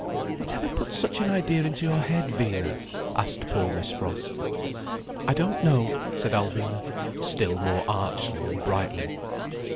"Whatever put such an idea into your head, Vina?" asked poor Miss Frost. "I don't know," said Alvina, still more archly and brightly.